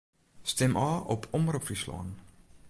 Stim ôf op Omrop Fryslân.